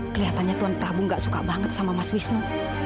kelihatannya tuhan prabu gak suka banget sama mas wisnu